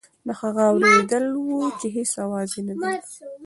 دا هغه اورېدل وو چې هېڅ اواز یې نه درلود.